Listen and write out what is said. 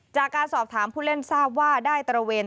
จากการสอบถามผู้เล่นทราบว่าได้ตระเวน